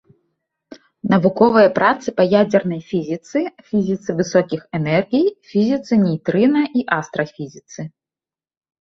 Навуковыя працы па ядзернай фізіцы, фізіцы высокіх энергій, фізіцы нейтрына і астрафізіцы.